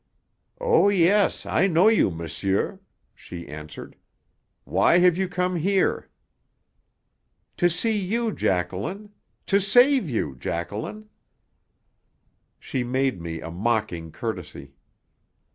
"Oh, yes; I know you, monsieur," she answered. "Why have you come here?" "To see you, Jacqueline! To save you, Jacqueline!" She made me a mocking courtesy.